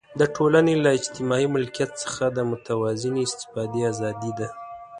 د ټولنې له اجتماعي ملکیت څخه د متوازنې استفادې آزادي ده.